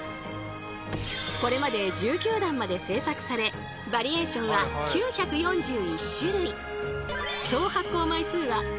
これまで１９弾まで製作されバリエーションは９４１種類。